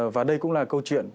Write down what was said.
và đây cũng là câu chuyện